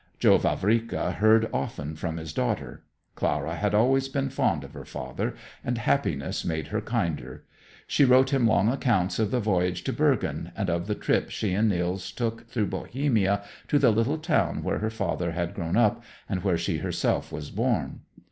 Joe Vavrika heard often from his daughter. Clara had always been fond of her father, and happiness made her kinder. She wrote him long accounts of the voyage to Bergen, and of the trip she and Nils took through Bohemia to the little town where her father had grown up and where she herself was born.